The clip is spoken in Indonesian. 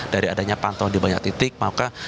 dari adanya pantauan di banyak titik maka